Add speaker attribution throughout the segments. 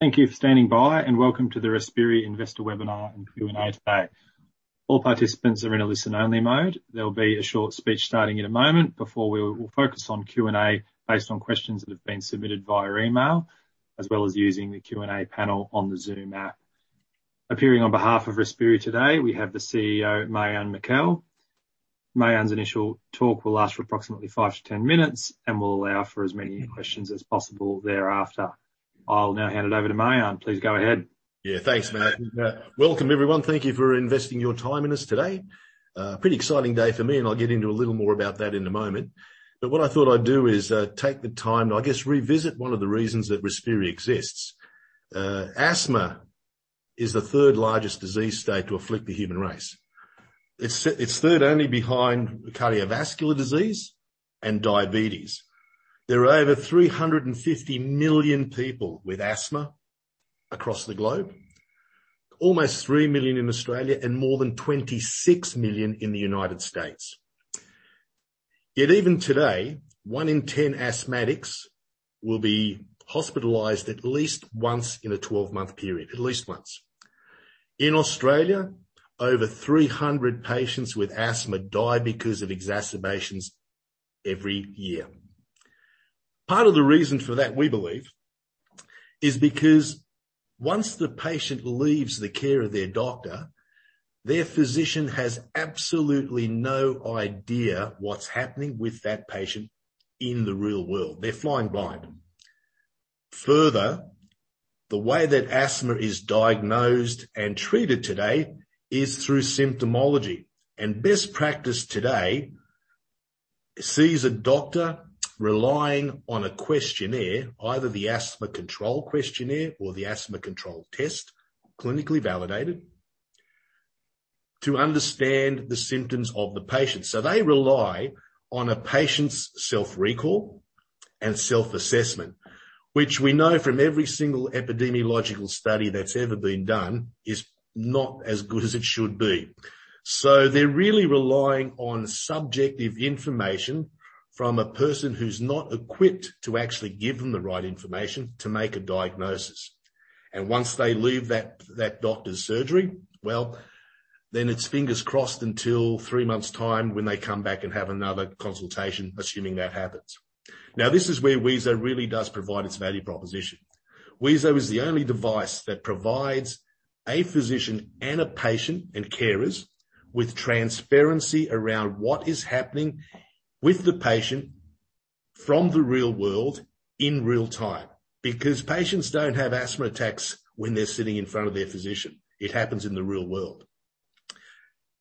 Speaker 1: Thank you for standing by, and welcome to the Respiri Investor Webinar and Q&A today. All participants are in a listen-only mode. There'll be a short speech starting in a moment before we will focus on Q&A based on questions that have been submitted via email, as well as using the Q&A panel on the Zoom app. Appearing on behalf of Respiri today, we have the CEO, Marjan Mikel. Marjan's initial talk will last for approximately five to ten minutes, and we'll allow for as many questions as possible thereafter. I'll now hand it over to Marjan. Please go ahead.
Speaker 2: Yeah, thanks, Matt. Welcome, everyone. Thank you for investing your time in us today. Pretty exciting day for me, and I'll get into a little more about that in a moment. What I thought I'd do is take the time to, I guess, revisit one of the reasons that Respiri exists. Asthma is the third-largest disease state to afflict the human race. It's third only behind cardiovascular disease and diabetes. There are over 350 million people with asthma across the globe, almost 3 million in Australia, and more than 26 million in the United States. Yet even today, one in ten asthmatics will be hospitalized at least once in a 12-month period. At least once. In Australia, over 300 patients with asthma die because of exacerbations every year. Part of the reason for that, we believe, is because once the patient leaves the care of their doctor, their physician has absolutely no idea what's happening with that patient in the real world. They're flying blind. Further, the way that asthma is diagnosed and treated today is through symptomatology. Best practice today sees a doctor relying on a questionnaire, either the Asthma Control Questionnaire or the Asthma Control Test, clinically validated, to understand the symptoms of the patient. They rely on a patient's self-recall and self-assessment, which we know from every single epidemiological study that's ever been done is not as good as it should be. They're really relying on subjective information from a person who's not equipped to actually give them the right information to make a diagnosis. Once they leave that doctor's surgery, well, then it's fingers crossed until three months' time when they come back and have another consultation, assuming that happens. Now, this is where wheezo really does provide its value proposition. Wheezo is the only device that provides a physician and a patient and carers with transparency around what is happening with the patient from the real world in real-time, because patients don't have asthma attacks when they're sitting in front of their physician. It happens in the real world.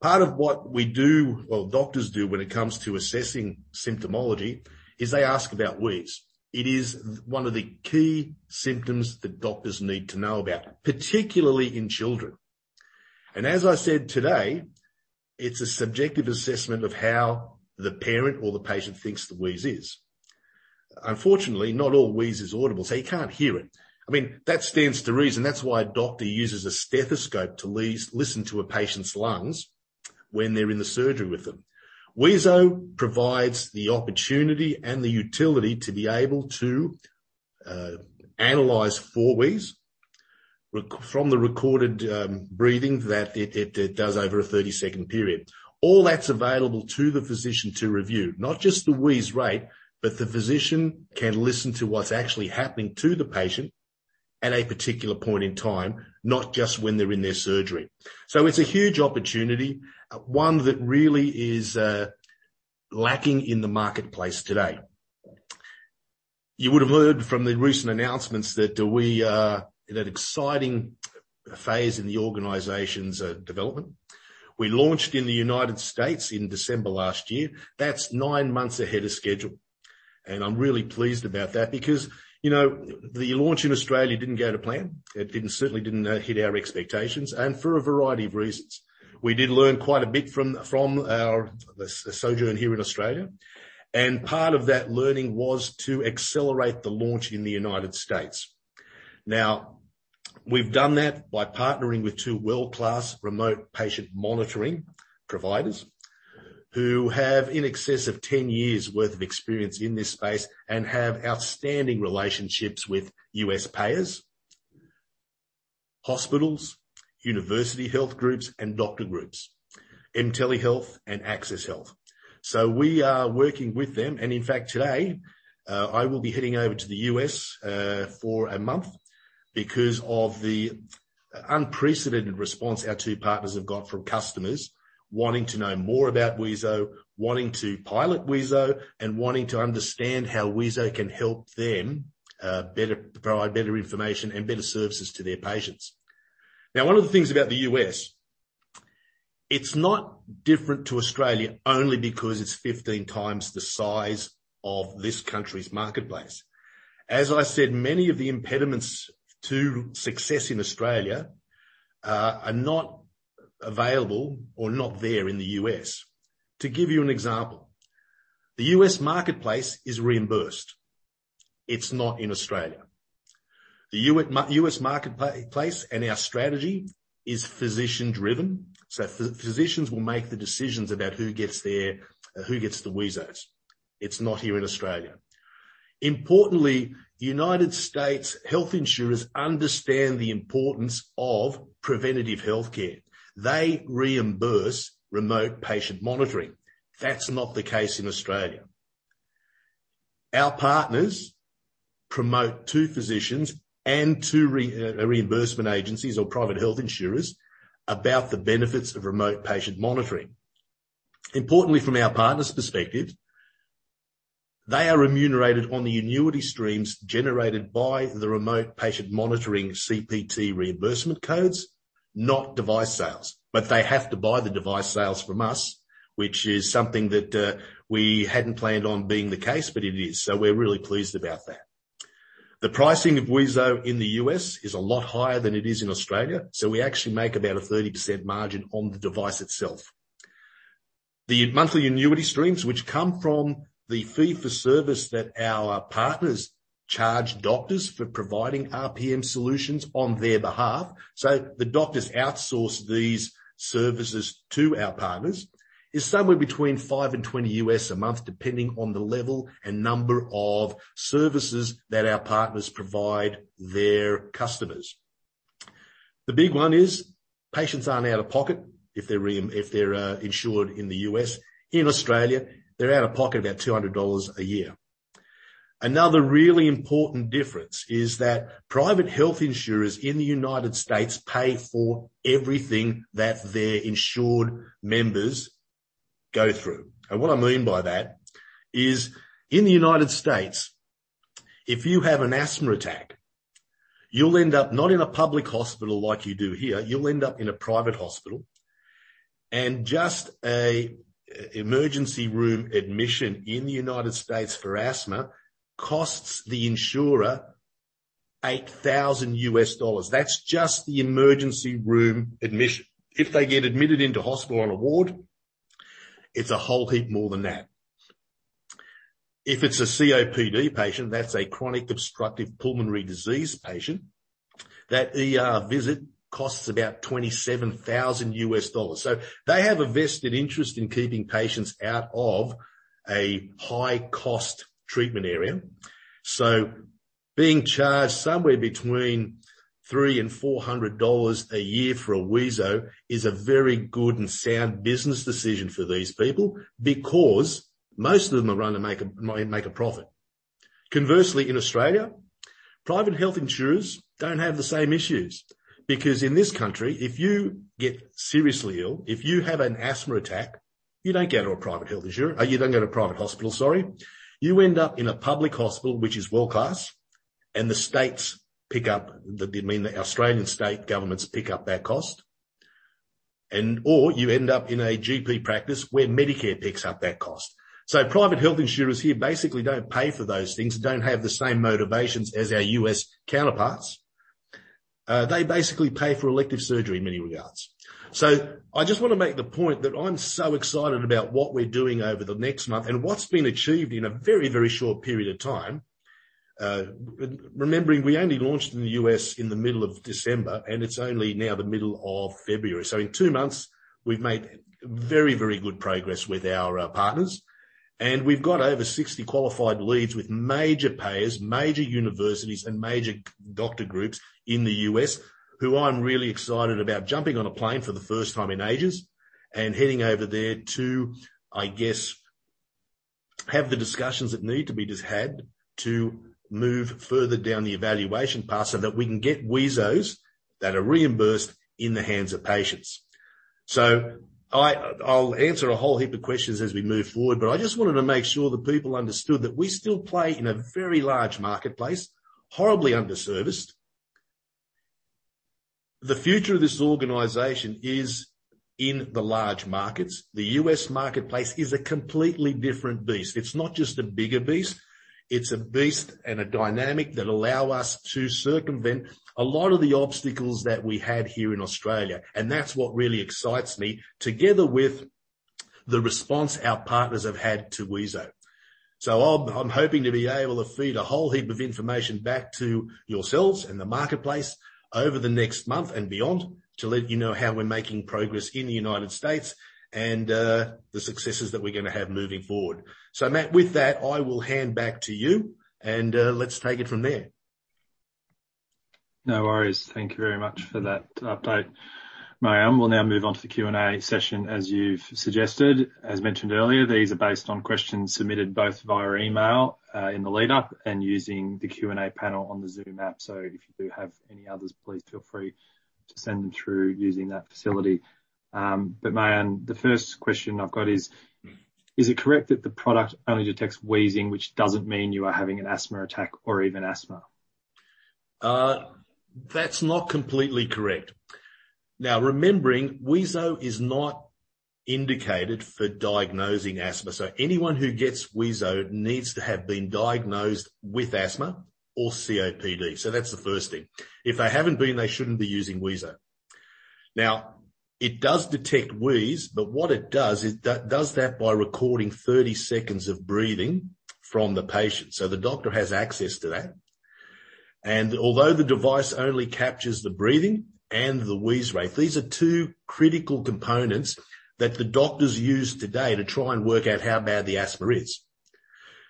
Speaker 2: Part of what we do, well, doctors do when it comes to assessing symptomology is they ask about wheeze. It is one of the key symptoms that doctors need to know about, particularly in children. As I said today, it's a subjective assessment of how the parent or the patient thinks the wheeze is. Unfortunately, not all wheeze is audible, so you can't hear it. I mean, that stands to reason. That's why a doctor uses a stethoscope to listen to a patient's lungs when they're in the surgery with them. Wheezo provides the opportunity and the utility to be able to analyze for wheeze from the recorded breathing that it does over a 30-second period. All that's available to the physician to review, not just the wheeze rate, but the physician can listen to what's actually happening to the patient at a particular point in time, not just when they're in their surgery. It's a huge opportunity, one that really is lacking in the marketplace today. You would have heard from the recent announcements that we are in an exciting phase in the organization's development. We launched in the United States in December last year. That's nine months ahead of schedule, and I'm really pleased about that because, you know, the launch in Australia didn't go to plan. It didn't, certainly didn't, hit our expectations, and for a variety of reasons. We did learn quite a bit from our sojourn here in Australia, and part of that learning was to accelerate the launch in the United States. Now, we've done that by partnering with two world-class remote patient monitoring providers who have in excess of 10 years' worth of experience in this space and have outstanding relationships with US payers, hospitals, university health groups, and doctor groups, in telehealth and Access Telehealth. We are working with them, and in fact, today, I will be heading over to the U.S. for a month because of the unprecedented response our two partners have got from customers wanting to know more about wheezo, wanting to pilot wheezo, and wanting to understand how wheezo can help them better provide better information and better services to their patients. Now, one of the things about the U.S., it's not different to Australia only because it's 15 times the size of this country's marketplace. As I said, many of the impediments to success in Australia are not available or not there in the U.S. To give you an example, the US marketplace is reimbursed. It's not in Australia. The US marketplace and our strategy is physician-driven, so physicians will make the decisions about who gets their who gets the wheezos. It's not here in Australia. Importantly, United States health insurers understand the importance of preventative healthcare. They reimburse remote patient monitoring. That's not the case in Australia. Our partners promote to physicians and to reimbursement agencies or private health insurers about the benefits of remote patient monitoring. Importantly, from our partners' perspective, they are remunerated on the annuity streams generated by the remote patient monitoring CPT reimbursement codes, not device sales. They have to buy the device sales from us, which is something that, we hadn't planned on being the case, but it is, so we're really pleased about that. The pricing of wheezo in the U.S. is a lot higher than it is in Australia, so we actually make about a 30% margin on the device itself. The monthly annuity streams, which come from the fee for service that our partners charge doctors for providing RPM solutions on their behalf, so the doctors outsource these services to our partners, is somewhere between $5-$20 a month, depending on the level and number of services that our partners provide their customers. The big one is patients aren't out-of-pocket if they're insured in the U.S. In Australia, they're out-of-pocket about 200 dollars a year. Another really important difference is that private health insurers in the United States pay for everything that their insured members go through. What I mean by that is, in the United States, if you have an asthma attack, you'll end up not in a public hospital like you do here, you'll end up in a private hospital. Just an emergency room admission in the United States for asthma costs the insurer $8,000. That's just the emergency room admission. If they get admitted into hospital on a ward, it's a whole heap more than that. If it's a COPD patient, that's a chronic obstructive pulmonary disease patient, that ER visit costs about $27,000. They have a vested interest in keeping patients out of a high-cost treatment area. Being charged somewhere between $300-$400 a year for a wheezo is a very good and sound business decision for these people because most of them are run to make a profit. Conversely, in Australia, private health insurers don't have the same issues because in this country, if you get seriously ill, if you have an asthma attack, you don't go to a private health insurer. You don't go to a private hospital, sorry. You end up in a public hospital, which is world-class, and the Australian state governments pick up that cost and/or you end up in a GP practice where Medicare picks up that cost. Private health insurers here basically don't pay for those things, don't have the same motivations as our US counterparts. They basically pay for elective surgery in many regards. I just wanna make the point that I'm so excited about what we're doing over the next month and what's been achieved in a very, very short period of time. Remembering we only launched in the U.S. in the middle of December, and it's only now the middle of February. In two months we've made very, very good progress with our partners and we've got over 60 qualified leads with major payers, major universities and major doctor groups in the U.S. who I'm really excited about jumping on a plane for the first time in ages and heading over there to have the discussions that need to be just had to move further down the evaluation path so that we can get wheezos that are reimbursed in the hands of patients. I'll answer a whole heap of questions as we move forward, but I just wanted to make sure that people understood that we still play in a very large marketplace, horribly underserviced. The future of this organization is in the large markets. The US marketplace is a completely different beast. It's not just a bigger beast, it's a beast and a dynamic that allow us to circumvent a lot of the obstacles that we had here in Australia, and that's what really excites me, together with the response our partners have had to wheezo. I'm hoping to be able to feed a whole heap of information back to yourselves and the marketplace over the next month and beyond to let you know how we're making progress in the United States and the successes that we're gonna have moving forward. Matt, with that, I will hand back to you and let's take it from there.
Speaker 1: No worries. Thank you very much for that update, Marjan. We'll now move on to the Q&A session, as you've suggested. As mentioned earlier, these are based on questions submitted both via email in the lead up and using the Q&A panel on the Zoom app. So if you do have any others, please feel free to send them through using that facility. But Marjan, the first question I've got is it correct that the product only detects wheezing, which doesn't mean you are having an asthma attack or even asthma?
Speaker 2: That's not completely correct. Now, remembering wheezo is not indicated for diagnosing asthma, so anyone who gets wheezo needs to have been diagnosed with asthma or COPD. That's the first thing. If they haven't been, they shouldn't be using wheezo. Now, it does detect wheeze, but what it does is that by recording 30 seconds of breathing from the patient. The doctor has access to that. Although the device only captures the breathing and the wheeze rate, these are two critical components that the doctors use today to try and work out how bad the asthma is.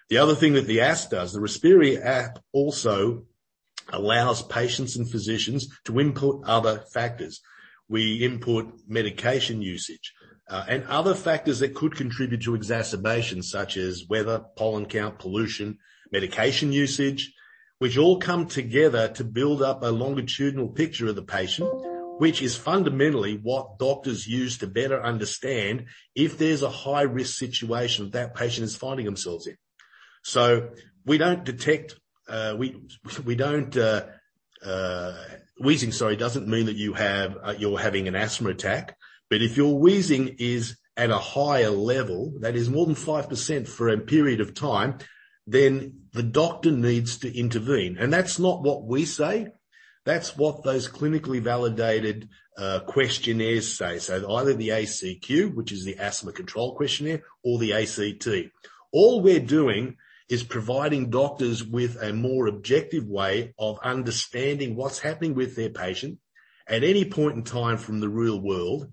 Speaker 2: The other thing that the app does, the respiri app also allows patients and physicians to input other factors. We input medication usage and other factors that could contribute to exacerbation, such as weather, pollen count, pollution, medication usage, which all come together to build up a longitudinal picture of the patient, which is fundamentally what doctors use to better understand if there's a high-risk situation that patient is finding themselves in. We don't detect wheezing. Sorry, wheezing doesn't mean that you have you're having an asthma attack. If your wheezing is at a higher level, that is more than 5% for a period of time, then the doctor needs to intervene. That's not what we say, that's what those clinically validated questionnaires say. Either the ACQ, which is the Asthma Control Questionnaire, or the ACT. All we're doing is providing doctors with a more objective way of understanding what's happening with their patient at any point in time from the real world,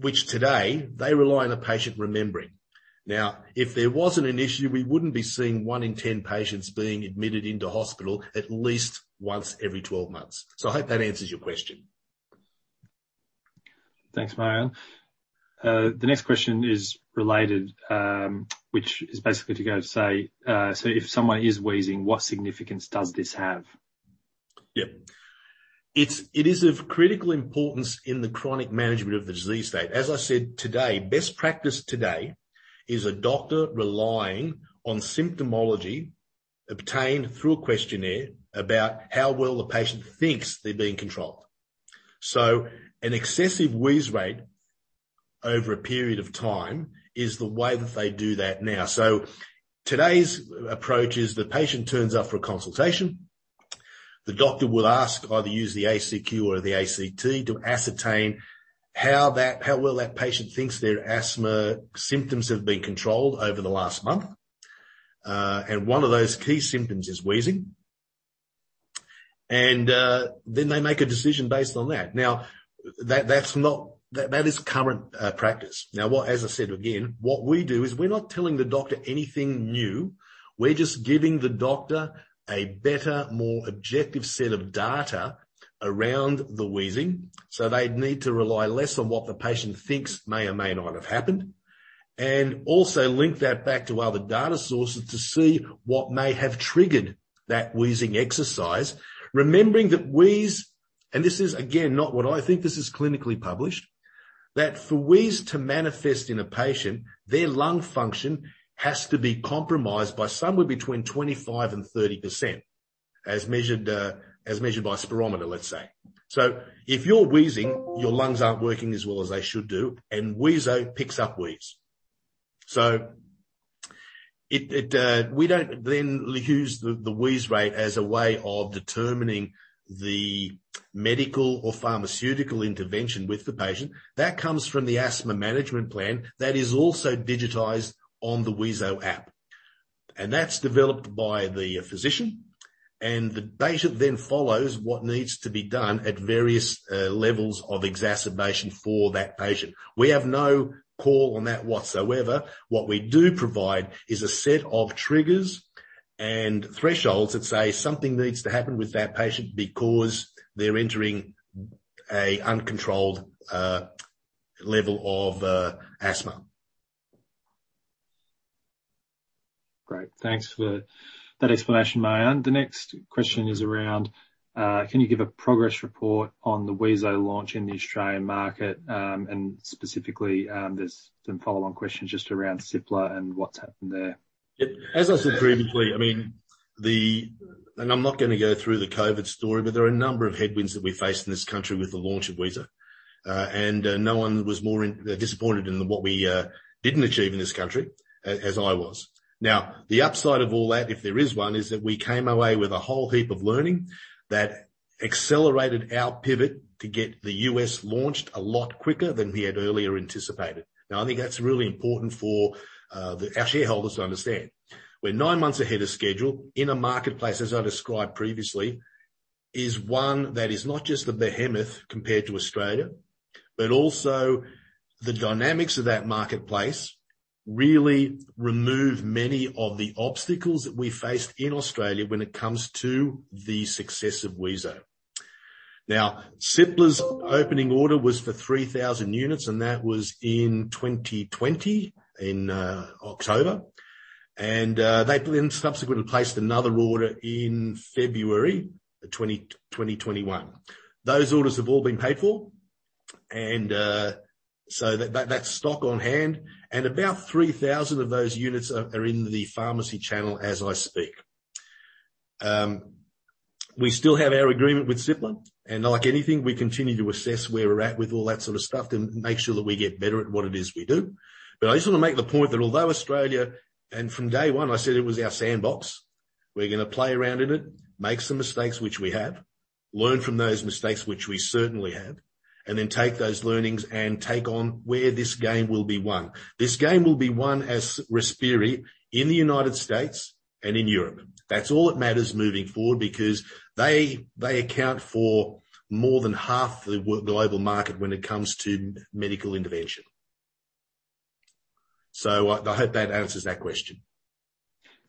Speaker 2: which today they rely on the patient remembering. Now, if there wasn't an issue, we wouldn't be seeing one in ten patients being admitted into hospital at least once every twelve months. I hope that answers your question.
Speaker 1: Thanks, Marjan. The next question is related, if someone is wheezing, what significance does this have?
Speaker 2: It is of critical importance in the chronic management of the disease state. As I said today, best practice today is a doctor relying on symptomatology obtained through a questionnaire about how well the patient thinks they're being controlled. An excessive wheeze rate over a period of time is the way that they do that now. Today's approach is the patient turns up for a consultation, the doctor will ask, either use the ACQ or the ACT to ascertain how well that patient thinks their asthma symptoms have been controlled over the last month. One of those key symptoms is wheezing. Then they make a decision based on that. That is current practice. Now, as I said again, what we do is we're not telling the doctor anything new. We're just giving the doctor a better, more objective set of data around the wheezing, so they'd need to rely less on what the patient thinks may or may not have happened. Also link that back to other data sources to see what may have triggered that wheezing exercise. Remembering that wheeze, and this is, again, not what I think, this is clinically published, that for wheeze to manifest in a patient, their lung function has to be compromised by somewhere between 25%-30%, as measured by spirometer, let's say. If you're wheezing, your lungs aren't working as well as they should do, and wheezo picks up wheeze. We don't then use the wheeze rate as a way of determining the medical or pharmaceutical intervention with the patient. That comes from the asthma management plan that is also digitized on the wheezo app. That's developed by the physician, and the patient then follows what needs to be done at various levels of exacerbation for that patient. We have no call on that whatsoever. What we do provide is a set of triggers and thresholds that say, "Something needs to happen with that patient because they're entering a uncontrolled level of asthma.
Speaker 1: Great. Thanks for that explanation, Marjan. The next question is around can you give a progress report on the wheezo launch in the Australian market? Specifically, there's some follow-on questions just around Cipla and what's happened there.
Speaker 2: Yeah. As I said previously, I mean, I'm not gonna go through the COVID story, but there are a number of headwinds that we faced in this country with the launch of Wheezo. No one was more disappointed in what we didn't achieve in this country as I was. Now, the upside of all that, if there is one, is that we came away with a whole heap of learning that accelerated our pivot to get the U.S. launched a lot quicker than we had earlier anticipated. Now, I think that's really important for our shareholders to understand. We're nine months ahead of schedule in a marketplace, as I described previously, is one that is not just a behemoth compared to Australia, but also the dynamics of that marketplace really remove many of the obstacles that we faced in Australia when it comes to the success of wheezo. Now, Cipla's opening order was for 3,000 units, and that was in 2020 in October. They then subsequently placed another order in February 2021. Those orders have all been paid for, so that's stock on hand. About 3,000 of those units are in the pharmacy channel as I speak. We still have our agreement with Cipla, and like anything, we continue to assess where we're at with all that sort of stuff and make sure that we get better at what it is we do. I just wanna make the point that although Australia, and from day one I said it was our sandbox. We're gonna play around in it, make some mistakes, which we have. Learn from those mistakes, which we certainly have, and then take those learnings and take on where this game will be won. This game will be won as Respiri in the United States and in Europe. That's all it matters moving forward, because they account for more than half the global market when it comes to medical intervention. I hope that answers that question.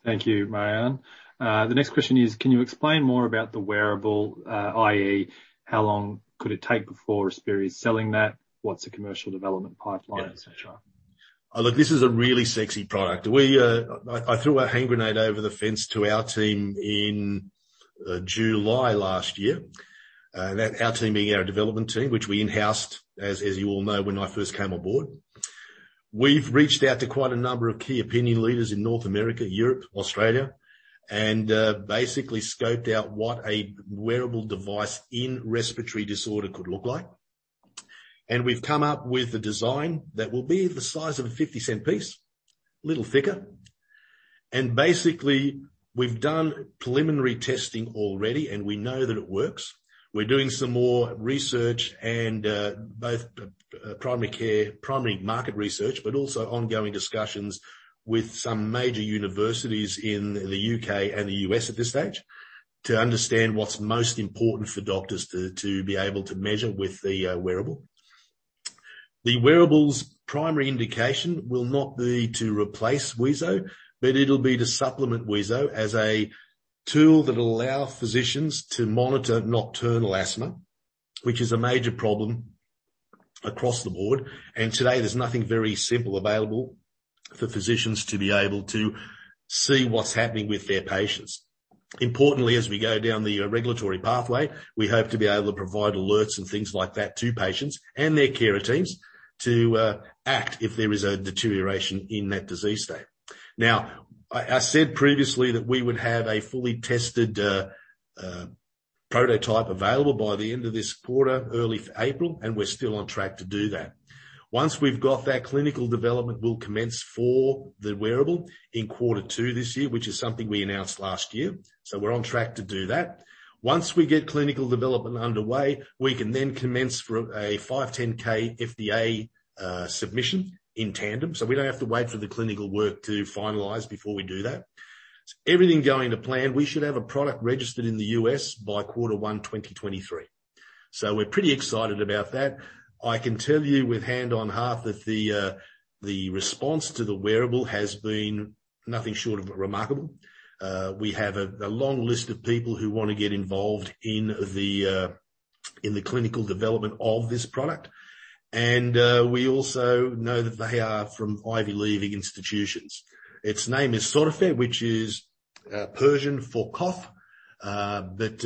Speaker 1: Thank you, Marjan Mikel. The next question is, can you explain more about the wearable, i.e., how long could it take before Respiri is selling that? What's the commercial development pipeline, et cetera?
Speaker 2: Yeah. Look, this is a really sexy product. I threw a hand grenade over the fence to our team in July last year. Our team being our development team, which we in-housed, as you all know, when I first came on board. We've reached out to quite a number of key opinion leaders in North America, Europe, Australia, and basically scoped out what a wearable device in respiratory disorder could look like. We've come up with a design that will be the size of a 50-cent piece, little thicker. Basically, we've done preliminary testing already, and we know that it works. We're doing some more research and both primary care primary market research, but also ongoing discussions with some major universities in the U.K. and the U.S. at this stage to understand what's most important for doctors to be able to measure with the wearable. The wearable's primary indication will not be to replace wheezo, but it'll be to supplement wheezo as a tool that'll allow physicians to monitor nocturnal asthma, which is a major problem across the board. Today, there's nothing very simple available for physicians to be able to see what's happening with their patients. Importantly, as we go down the regulatory pathway, we hope to be able to provide alerts and things like that to patients and their carer teams to act if there is a deterioration in that disease state. Now, I said previously that we would have a fully tested prototype available by the end of this quarter, early April, and we're still on track to do that. Once we've got that, clinical development will commence for the wearable in quarter two this year, which is something we announced last year. We're on track to do that. Once we get clinical development underway, we can then commence for a 510(k) FDA submission in tandem, so we don't have to wait for the clinical work to finalize before we do that. Everything going to plan, we should have a product registered in the U.S. by quarter one, 2023. We're pretty excited about that. I can tell you with hand on heart that the response to the wearable has been nothing short of remarkable. We have a long list of people who wanna get involved in the clinical development of this product. We also know that they are from Ivy League institutions. Its name is Sorfe, which is Persian for cough. There's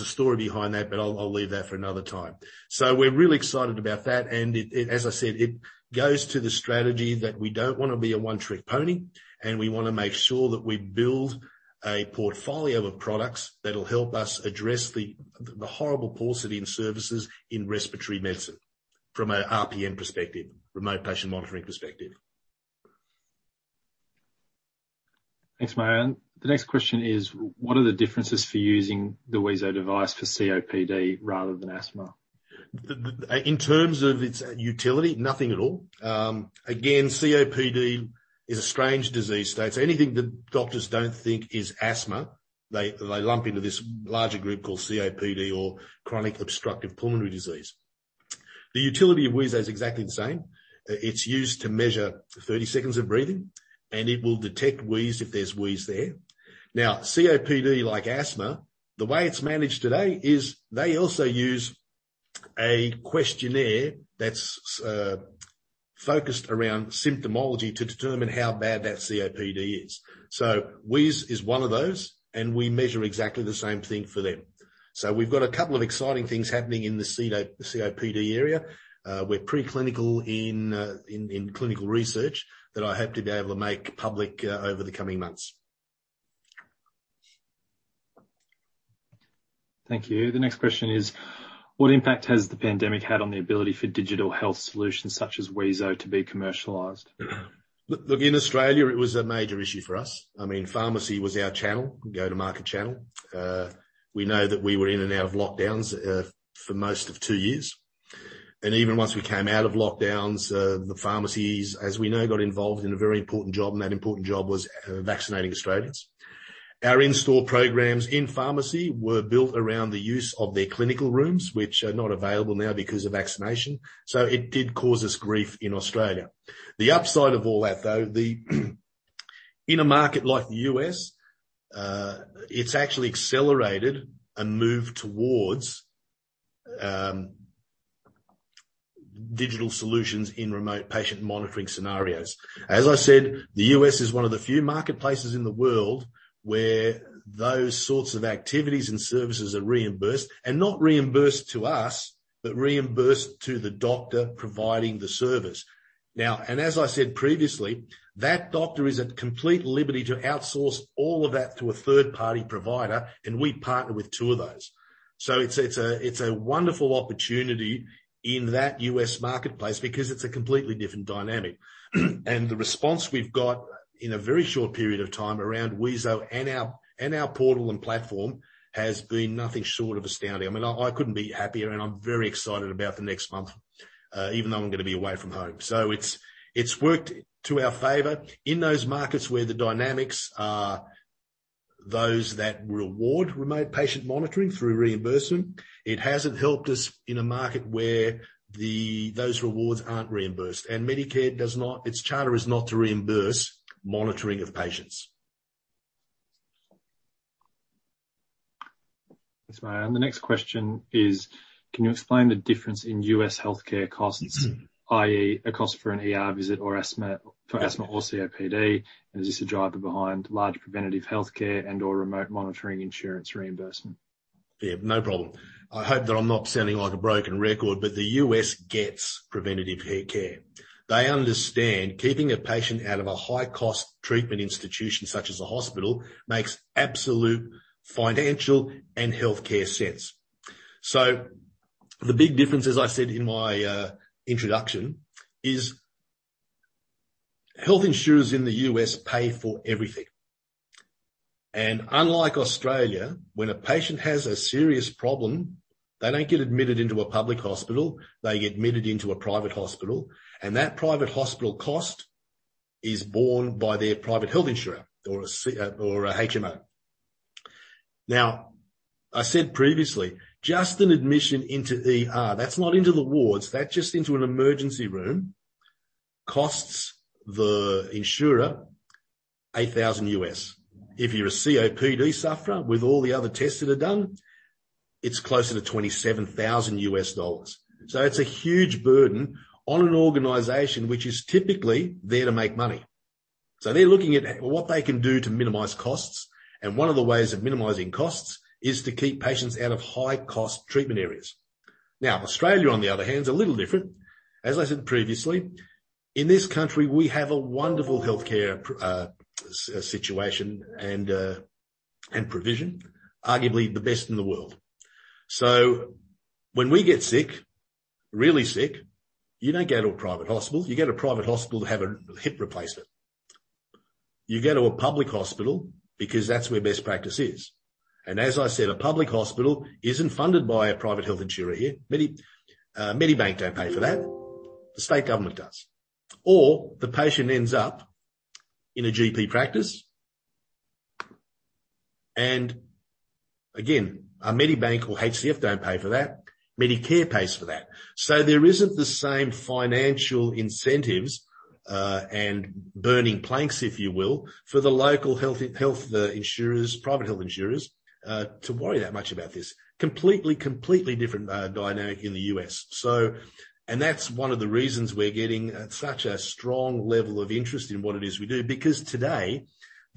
Speaker 2: a story behind that, but I'll leave that for another time. We're really excited about that. As I said, it goes to the strategy that we don't wanna be a one-trick pony, and we wanna make sure that we build a portfolio of products that'll help us address the horrible paucity in services in respiratory medicine from a RPM perspective, remote patient monitoring perspective.
Speaker 1: Thanks, Marjan. The next question is, what are the differences for using the wheezo device for COPD rather than asthma?
Speaker 2: In terms of its utility, nothing at all. Again, COPD is a strange disease state. Anything that doctors don't think is asthma, they lump into this larger group called COPD or chronic obstructive pulmonary disease. The utility of wheezo is exactly the same. It's used to measure 30 seconds of breathing, and it will detect wheeze if there's wheeze there. Now, COPD, like asthma, the way it's managed today is they also use a questionnaire that's focused around symptomology to determine how bad that COPD is. Wheeze is one of those, and we measure exactly the same thing for them. We've got a couple of exciting things happening in the COPD area. We're pre-clinical in clinical research that I hope to be able to make public over the coming months.
Speaker 1: Thank you. The next question is, what impact has the pandemic had on the ability for digital health solutions such as wheezo to be commercialized?
Speaker 2: Look, in Australia it was a major issue for us. I mean, pharmacy was our channel, go-to-market channel. We know that we were in and out of lockdowns for most of two years. Even once we came out of lockdowns, the pharmacies, as we know, got involved in a very important job, and that important job was vaccinating Australians. Our in-store programs in pharmacy were built around the use of their clinical rooms, which are not available now because of vaccination. It did cause us grief in Australia. The upside of all that though, in a market like the U.S., it's actually accelerated a move towards digital solutions in remote patient monitoring scenarios. As I said, the U.S. is one of the few marketplaces in the world where those sorts of activities and services are reimbursed and not reimbursed to us, but reimbursed to the doctor providing the service. Now, as I said previously, that doctor is at complete liberty to outsource all of that to a third-party provider, and we partner with two of those. It's a wonderful opportunity in that US marketplace because it's a completely different dynamic. The response we've got in a very short period of time around wheezo and our portal and platform has been nothing short of astounding. I mean, I couldn't be happier, and I'm very excited about the next month, even though I'm gonna be away from home. It's worked to our favor in those markets where the dynamics are those that reward remote patient monitoring through reimbursement. It hasn't helped us in a market where those rewards aren't reimbursed. Medicare does not. Its charter is not to reimburse monitoring of patients.
Speaker 1: Thanks, Marjan Mikel. The next question is, can you explain the difference in US healthcare costs, i.e., a cost for an ER visit for asthma or COPD, and is this a driver behind large preventative healthcare and/or remote monitoring insurance reimbursement?
Speaker 2: Yeah, no problem. I hope that I'm not sounding like a broken record, but the U.S. gets preventative healthcare. They understand keeping a patient out of a high-cost treatment institution such as a hospital makes absolute financial and healthcare sense. The big difference, as I said in my introduction, is health insurers in the U.S. pay for everything. Unlike Australia, when a patient has a serious problem, they don't get admitted into a public hospital. They get admitted into a private hospital, and that private hospital cost is borne by their private health insurer or a HMO. Now, I said previously, just an admission into ER, that's not into the wards, that's just into an emergency room, costs the insurer $8,000. If you're a COPD sufferer with all the other tests that are done, it's closer to $27,000. It's a huge burden on an organization which is typically there to make money. They're looking at what they can do to minimize costs, and one of the ways of minimizing costs is to keep patients out of high-cost treatment areas. Now, Australia, on the other hand, is a little different. As I said previously, in this country, we have a wonderful healthcare situation and provision, arguably the best in the world. When we get sick, really sick, you don't go to a private hospital. You go to private hospital to have a hip replacement. You go to a public hospital because that's where best practice is. As I said, a public hospital isn't funded by a private health insurer here. Medibank don't pay for that. The state government does. The patient ends up in a GP practice. Again, Medibank or HCF don't pay for that. Medicare pays for that. There isn't the same financial incentives and burning platforms, if you will, for the local health insurers, private health insurers, to worry that much about this. Completely different dynamic in the U.S. That's one of the reasons we're getting such a strong level of interest in what it is we do, because today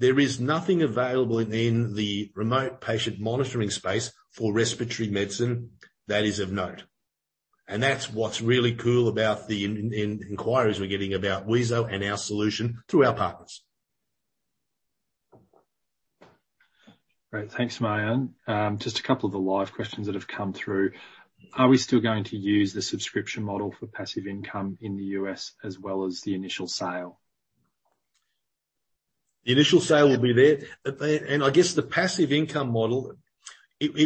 Speaker 2: there is nothing available in the remote patient monitoring space for respiratory medicine that is of note. That's what's really cool about the inquiries we're getting about wheezo and our solution through our partners.
Speaker 1: Great. Thanks, Marjan. Just a couple of the live questions that have come through. Are we still going to use the subscription model for passive income in the U.S. as well as the initial sale?
Speaker 2: The initial sale will be there. I guess the passive income model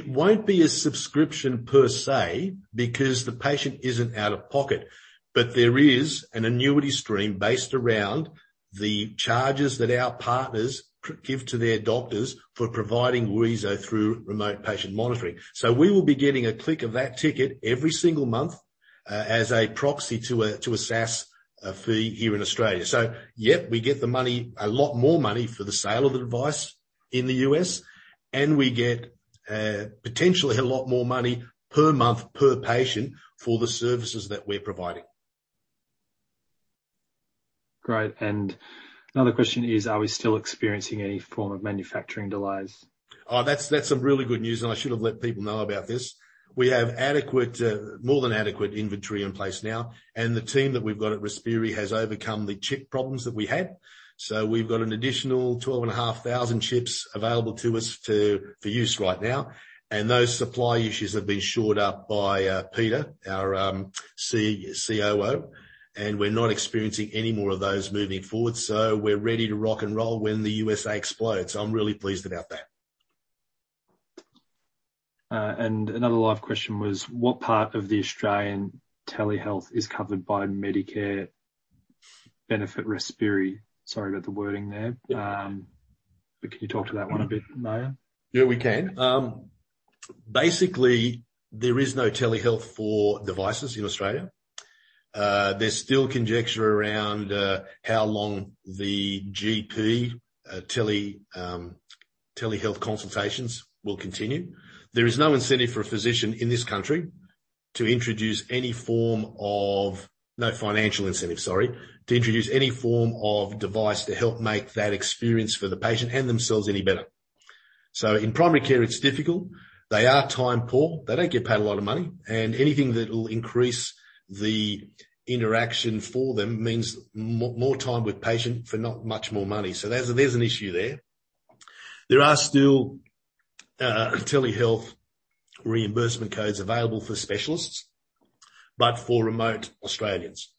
Speaker 2: won't be a subscription per se because the patient isn't out of pocket, but there is an annuity stream based around the charges that our partners give to their doctors for providing wheezo through remote patient monitoring. We will be getting a clip of that ticket every single month as a proxy to a SaaS fee here in Australia. Yep, we get the money, a lot more money for the sale of the device in the U.S., and we get potentially a lot more money per month, per patient for the services that we're providing.
Speaker 1: Great. Another question is, are we still experiencing any form of manufacturing delays?
Speaker 2: Oh, that's some really good news, and I should have let people know about this. We have adequate, more than adequate inventory in place now, and the team that we've got at Respiri has overcome the chip problems that we had. We've got an additional 12,500 chips available to us for use right now, and those supply issues have been shored up by Peter, our COO, and we're not experiencing any more of those moving forward. We're ready to rock and roll when the USA explodes. I'm really pleased about that.
Speaker 1: Another live question was, what part of the Australian telehealth is covered by Medicare benefit Respiri? Sorry about the wording there. Can you talk to that one a bit, Marjan?
Speaker 2: Yeah, we can. Basically, there is no telehealth for devices in Australia. There's still conjecture around how long the GP telehealth consultations will continue. There is no incentive for a physician in this country to introduce any form of no financial incentive, sorry, to introduce any form of device to help make that experience for the patient and themselves any better. In primary care, it's difficult. They are time poor. They don't get paid a lot of money. Anything that'll increase the interaction for them means more time with patient for not much more money. There's an issue there. There are still telehealth reimbursement codes available for specialists, but for remote Australians.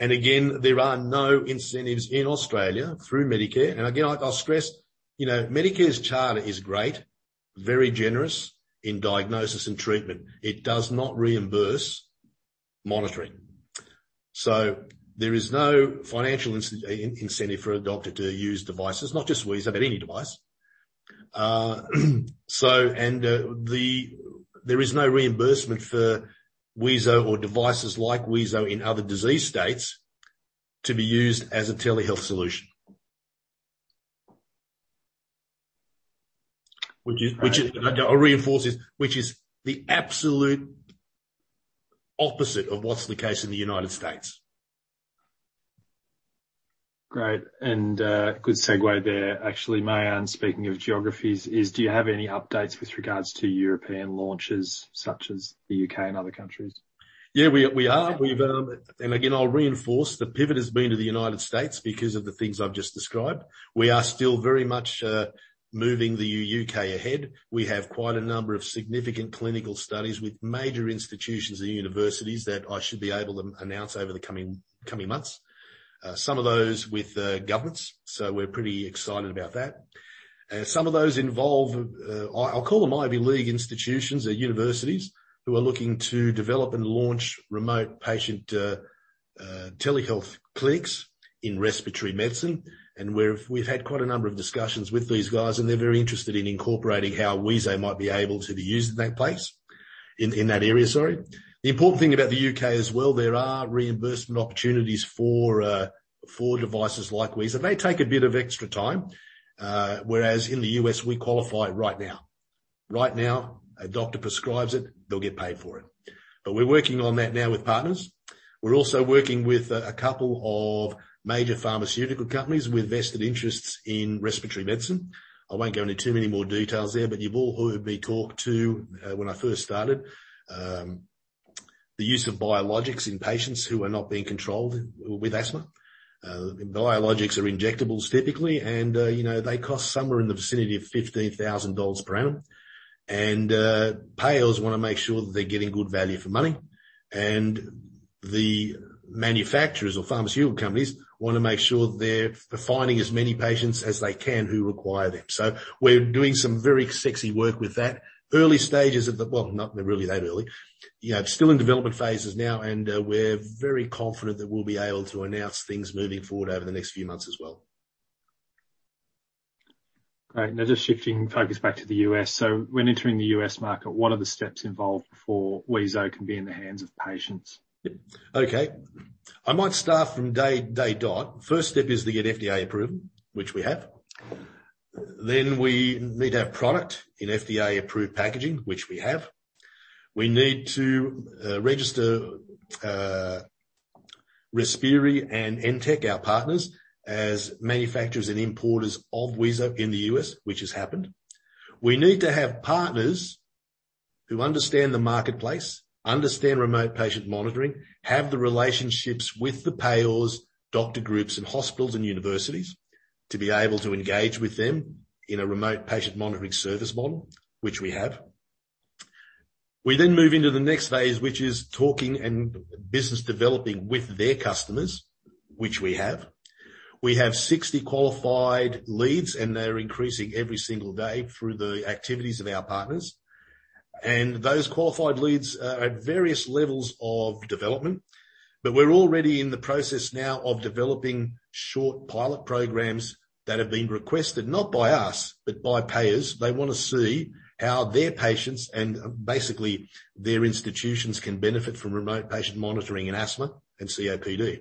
Speaker 2: Again, there are no incentives in Australia through Medicare. Again, I'll stress, you know, Medicare's charter is great, very generous in diagnosis and treatment. It does not reimburse monitoring. There is no financial incentive for a doctor to use devices, not just wheezo, but any device. There is no reimbursement for wheezo or devices like wheezo in other disease states to be used as a telehealth solution.
Speaker 1: Which is-
Speaker 2: I'll reinforce this, which is the absolute opposite of what's the case in the United States.
Speaker 1: Great. Good segue there, actually, Marjan Mikel. Speaking of geographies is, do you have any updates with regards to European launches such as the U.K. and other countries?
Speaker 2: Yeah, we are. We've. Again, I'll reinforce the pivot has been to the United States because of the things I've just described. We are still very much moving the U.K. ahead. We have quite a number of significant clinical studies with major institutions and universities that I should be able to announce over the coming months, some of those with governments. We're pretty excited about that. Some of those involve, I'll call them Ivy League institutions or universities who are looking to develop and launch remote patient telehealth clinics in respiratory medicine. We've had quite a number of discussions with these guys, and they're very interested in incorporating how wheezo might be able to be used in that place, in that area, sorry. The important thing about the U.K. as well, there are reimbursement opportunities for devices like wheezo. They take a bit of extra time, whereas in the U.S., we qualify right now. Right now, a doctor prescribes it, they'll get paid for it. We're working on that now with partners. We're also working with a couple of major pharmaceutical companies with vested interests in respiratory medicine. I won't go into too many more details there, but you've all heard me talk about when I first started, the use of biologics in patients who are not being controlled with asthma. Biologics are injectables typically, and you know, they cost somewhere in the vicinity of $15,000 per annum. Payers wanna make sure that they're getting good value for money, and the manufacturers or pharmaceutical companies wanna make sure they're finding as many patients as they can who require them. We're doing some very sexy work with that. Well, not really that early. You know, it's still in development phases now, and we're very confident that we'll be able to announce things moving forward over the next few months as well.
Speaker 1: Great. Now just shifting focus back to the U.S. When entering the US market, what are the steps involved before wheezo can be in the hands of patients?
Speaker 2: Okay. I might start from day dot. First step is to get FDA approval, which we have. We need our product in FDA-approved packaging, which we have. We need to register Respiri and Entech, our partners, as manufacturers and importers of wheezo in the U.S., which has happened. We need to have partners who understand the marketplace, understand remote patient monitoring, have the relationships with the payers, doctor groups, and hospitals and universities to be able to engage with them in a remote patient monitoring service model, which we have. We move into the next phase, which is talking and business developing with their customers, which we have. We have 60 qualified leads, and they're increasing every single day through the activities of our partners. Those qualified leads are at various levels of development, but we're already in the process now of developing short pilot programs that have been requested, not by us, but by payers. They wanna see how their patients and basically their institutions can benefit from remote patient monitoring in asthma and COPD.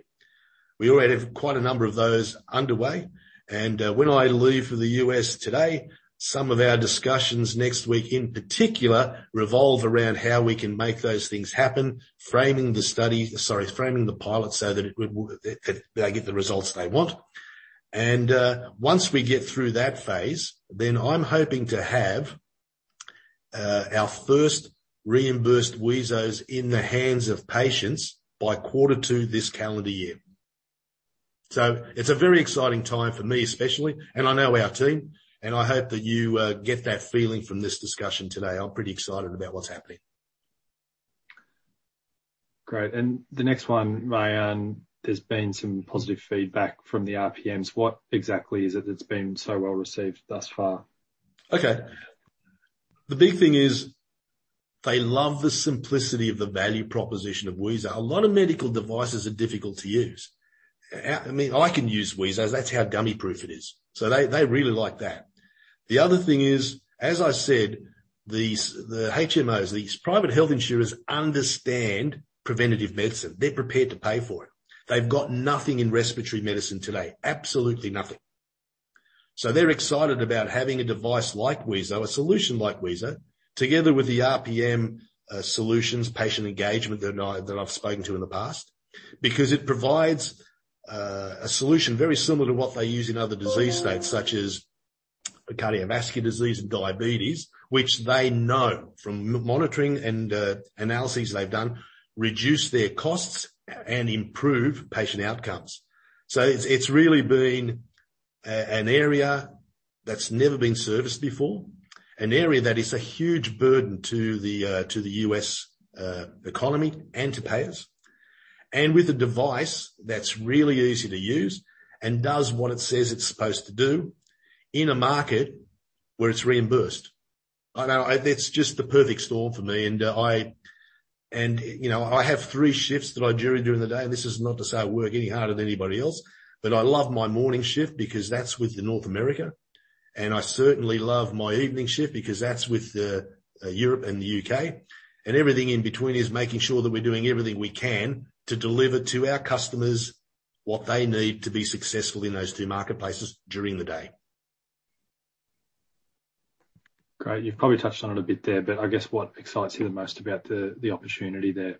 Speaker 2: We already have quite a number of those underway, and when I leave for the U.S. today, some of our discussions next week, in particular, revolve around how we can make those things happen, framing the pilot so that they get the results they want. Once we get through that phase, then I'm hoping to have our first reimbursed wheezos in the hands of patients by quarter two this calendar year. It's a very exciting time for me, especially, and I know our team, and I hope that you get that feeling from this discussion today. I'm pretty excited about what's happening.
Speaker 1: Great. The next one, Marjan Mikel, there's been some positive feedback from the RPMs. What exactly is it that's been so well-received thus far?
Speaker 2: Okay. The big thing is they love the simplicity of the value proposition of wheezo. A lot of medical devices are difficult to use. I mean, I can use wheezo. That's how dummy-proof it is. They really like that. The other thing is, as I said, these the HMOs, these private health insurers understand preventative medicine. They're prepared to pay for it. They've got nothing in respiratory medicine today. Absolutely nothing. They're excited about having a device like wheezo, a solution like wheezo, together with the RPM solutions patient engagement that I've spoken to in the past, because it provides a solution very similar to what they use in other disease states, such as cardiovascular disease and diabetes, which they know from monitoring and analyses they've done, reduce their costs and improve patient outcomes. It's really been an area that's never been serviced before, an area that is a huge burden to the US economy and to payers, and with a device that's really easy to use and does what it says it's supposed to do in a market where it's reimbursed. I know, it's just the perfect storm for me, and you know, I have three shifts that I do during the day. This is not to say I work any harder than anybody else, but I love my morning shift because that's with North America, and I certainly love my evening shift because that's with Europe and the U.K. Everything in between is making sure that we're doing everything we can to deliver to our customers what they need to be successful in those two marketplaces during the day.
Speaker 1: Great. You've probably touched on it a bit there, but I guess what excites you the most about the opportunity there?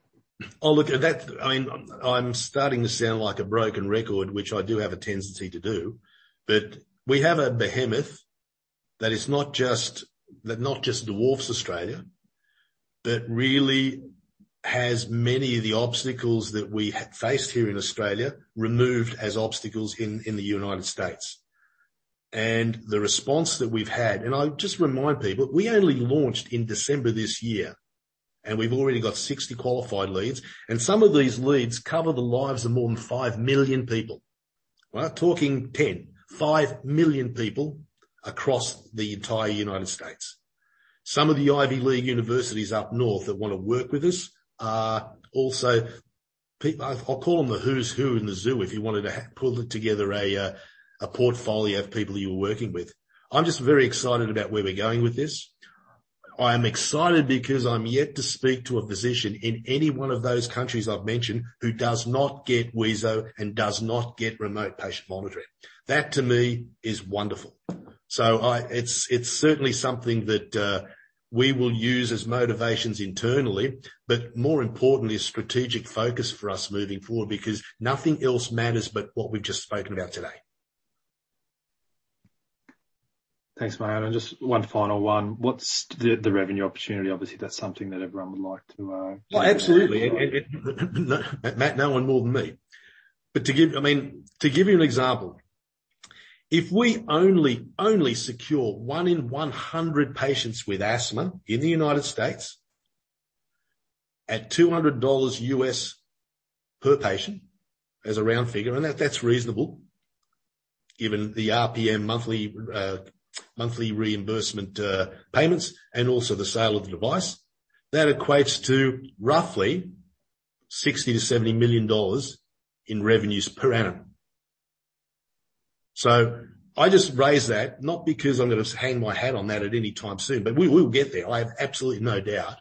Speaker 2: Oh, look, I'm starting to sound like a broken record, which I do have a tendency to do, but we have a behemoth that not just dwarfs Australia, but really has many of the obstacles that we have faced here in Australia removed as obstacles in the United States. The response that we've had, I'll just remind people, we only launched in December this year, and we've already got 60 qualified leads, and some of these leads cover the lives of more than 5 million people. We're talking 10.5 million people across the entire United States. Some of the Ivy League universities up north that wanna work with us are also, I'll call them the who's who in the zoo, if you wanted to pull together a portfolio of people you were working with. I'm just very excited about where we're going with this. I am excited because I'm yet to speak to a physician in any one of those countries I've mentioned who does not get wheezo and does not get remote patient monitoring. That, to me, is wonderful. It's certainly something that we will use as motivations internally, but more importantly, a strategic focus for us moving forward because nothing else matters but what we've just spoken about today.
Speaker 1: Thanks, Marjan. Just one final one. What's the revenue opportunity? Obviously, that's something that everyone would like to hear about.
Speaker 2: Absolutely. Matt, no one more than me. To give—I mean, to give you an example, if we only secure one in 100 patients with asthma in the United States at $200 per patient as a round figure, and that's reasonable given the RPM monthly reimbursement payments and also the sale of the device, that equates to roughly $60 million-$70 million in revenues per annum. I just raise that not because I'm gonna hang my hat on that at any time soon, but we will get there. I have absolutely no doubt.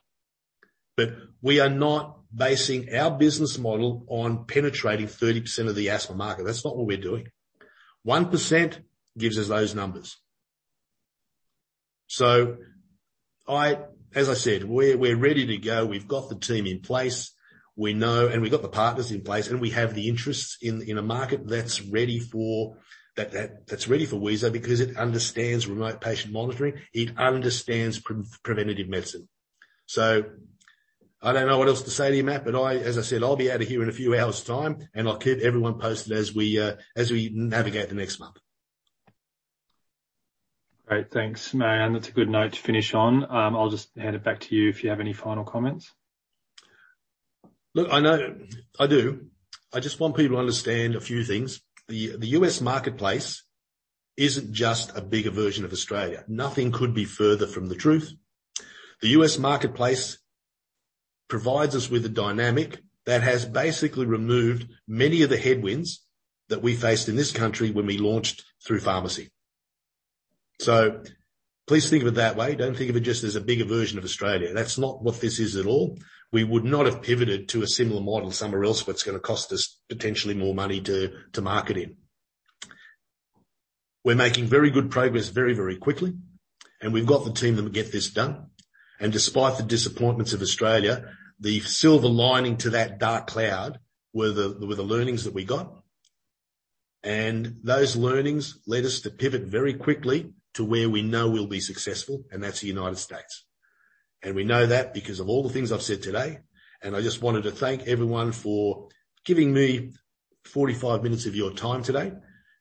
Speaker 2: We are not basing our business model on penetrating 30% of the asthma market. That's not what we're doing. 1% gives us those numbers. As I said, we're ready to go. We've got the team in place. We know, and we've got the partners in place, and we have the interests in a market that's ready for Wheezo because it understands remote patient monitoring. It understands preventative medicine. I don't know what else to say to you, Matt, but as I said, I'll be out of here in a few hours' time, and I'll keep everyone posted as we navigate the next month.
Speaker 1: Great. Thanks, Marjan. That's a good note to finish on. I'll just hand it back to you if you have any final comments.
Speaker 2: Look, I know. I do. I just want people to understand a few things. The US marketplace isn't just a bigger version of Australia. Nothing could be further from the truth. The US marketplace provides us with a dynamic that has basically removed many of the headwinds that we faced in this country when we launched through pharmacy. Please think of it that way. Don't think of it just as a bigger version of Australia. That's not what this is at all. We would not have pivoted to a similar model somewhere else that's gonna cost us potentially more money to market in. We're making very good progress very, very quickly, and we've got the team that will get this done. Despite the disappointments of Australia, the silver lining to that dark cloud were the learnings that we got. Those learnings led us to pivot very quickly to where we know we'll be successful, and that's the United States. We know that because of all the things I've said today, and I just wanted to thank everyone for giving me 45 minutes of your time today.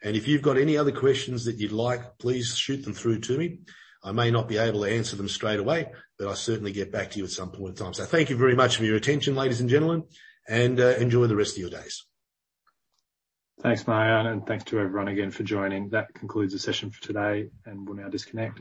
Speaker 2: If you've got any other questions that you'd like, please shoot them through to me. I may not be able to answer them straight away, but I'll certainly get back to you at some point in time. Thank you very much for your attention, ladies and gentlemen, and enjoy the rest of your days.
Speaker 1: Thanks, Marjan Mikel, and thanks to everyone again for joining. That concludes the session for today, and we'll now disconnect.